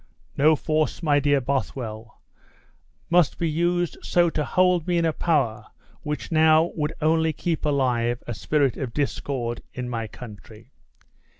"No force, my dear Bothwell, must be used so hold me in a power which now would only keep alive a spirit of discord in my country.